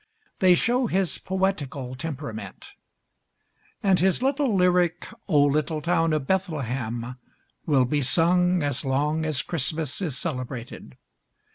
They show his poetical temperament; and his little lyric 'O Little Town of Bethlehem' will be sung as long as Christmas is celebrated.